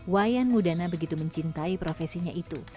wayan mudana begitu mencintai profesinya itu